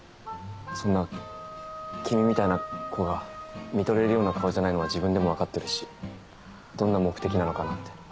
そんな君みたいな子が見とれるような顔じゃないのは自分でもわかってるしどんな目的なのかなって。